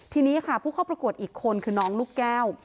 ทีนี้ค่ะผู้เข้าประกวดอีกคนคือน้องลูกแก้ว